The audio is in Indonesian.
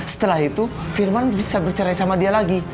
setelah itu firman bisa bercerai sama dia lagi